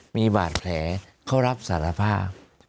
มีบาดแผลเขารับสารภาพ